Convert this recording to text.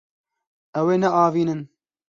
Ew ê neavînin.